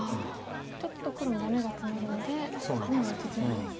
ちょっと黒もダメがツマるのでハネは打ちづらい。